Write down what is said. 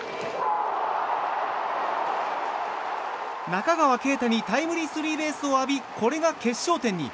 中川圭太にタイムリースリーベースを浴びこれが決勝点に。